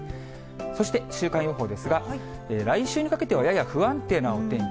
そして週間予報ですが、来週にかけては、やや不安定なお天気。